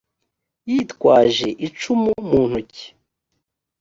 yitwaje icumu mu ntoki.